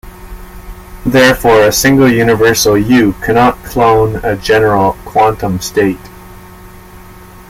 Therefore, a single universal "U" cannot clone a "general" quantum state.